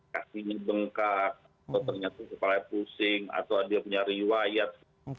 kakinya bengkak atau ternyata kepalanya pusing atau dia punya riwayat